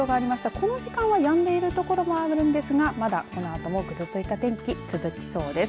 この時間はやんでいる所もありますがまだ、このあともぐずついた天気続きそうです。